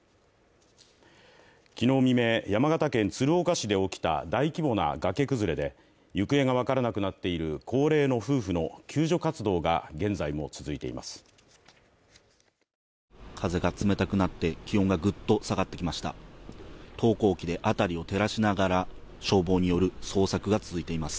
昨日未明、山形県鶴岡市で起きた大規模な崖崩れで行方が分からなくなっている高齢の夫婦の救助活動が現在も続いています。